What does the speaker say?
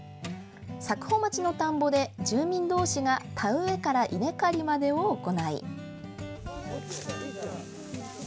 佐久穂町の田んぼで、住民同士が田植えから稲刈りまでを行い。